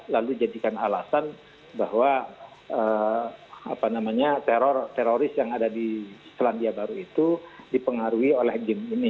lalu jadikan alasan bahwa teroris yang ada di selandia baru itu dipengaruhi oleh game ini